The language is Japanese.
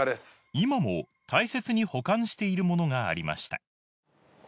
今も大切に保管しているものがありました